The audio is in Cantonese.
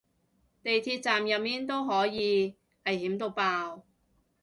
地鐵站入面都可以危險到爆